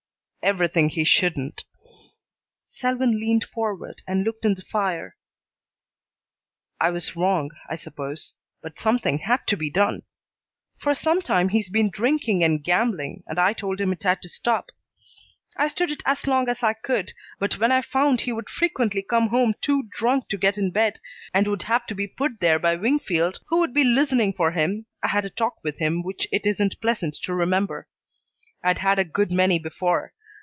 "Everything he shouldn't." Selwyn leaned forward and looked in the fire. "I was wrong, I suppose, but something had to be done. For some time he's been drinking and gambling, and I told him it had to stop. I stood it as long as I could, but when I found he would frequently come home too drunk to get in bed, and would have to be put there by Wingfield, who would be listening for him, I had a talk with him which it isn't pleasant to remember. I'd had a good many before.